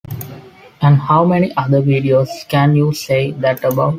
And how many other videos can you say that about?